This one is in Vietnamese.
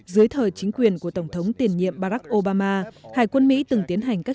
dưới thời chính quyền của tổng thống tiền nhiệm barack obama hải quân mỹ từng tiến hành các